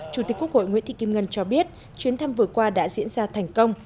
chủ tịch quốc hội nguyễn thị kim ngân cho biết chuyến thăm vừa qua đã diễn ra thành công